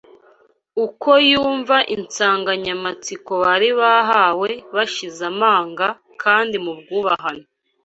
uko yumva insanganyamatsiko bari bahawe bashize amanga kandi mu bwubahane